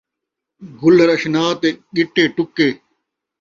گلّر اشنا تے ڳٹے ٹُکے